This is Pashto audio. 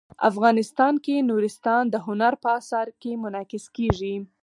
افغانستان کې نورستان د هنر په اثار کې منعکس کېږي.